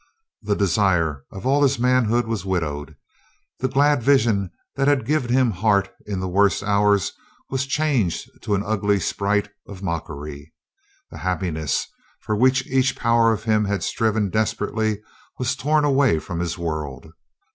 The desire of all his manhood was widowed, the glad vision that had given him heart in the worst hours was changed to an ugly sprite of mockery; the happiness for which each power of him had striven desperately was torn away from his world.